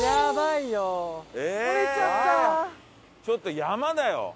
ちょっと山だよ！